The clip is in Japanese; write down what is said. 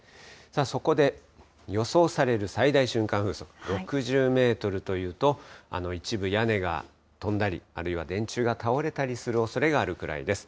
そこで予想される最大瞬間風速、６０メートルというと、一部屋根が飛んだり、あるいは電柱が倒れたりするおそれがあるくらいです。